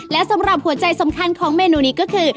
และสำหรับหัวใจสำคัญของเมนูนี้ก็คือ